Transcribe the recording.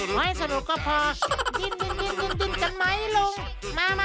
ไว้สนุกก็พอดินกันไหมลุง